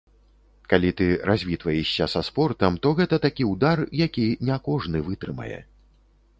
Калі ты развітваешся са спортам, то гэта такі ўдар, які не кожны вытрымае.